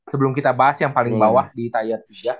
sebelum kita bahas yang paling bawah di tier